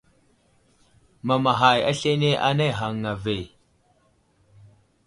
Mamaghay aslane anay ghaŋŋa ve.